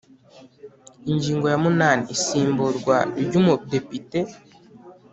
Ingingo ya munani Isimburwa ry’Umudepite